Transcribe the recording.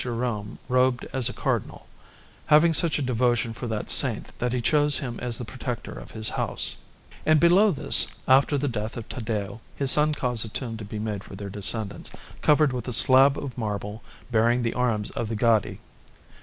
Jerome robed as a Cardinal, having such a devotion for that Saint that he chose him as the protector of his house; and below this, after the death of Taddeo, his son caused a tomb to be made for their descendants, covered with a slab of marble bearing the arms of the Gaddi.